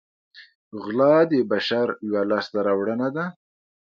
غلا د بشر یوه لاسته راوړنه ده